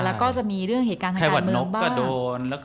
แล้วก็จะมีเรื่องเหตุการณ์ทางนกบ้าง